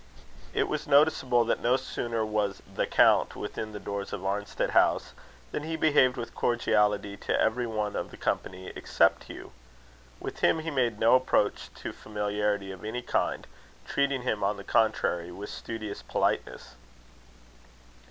It was noticeable that no sooner was the count within the doors of Arnstead House, than he behaved with cordiality to every one of the company except Hugh. With him he made no approach to familiarity of any kind, treating him, on the contrary, with studious politeness.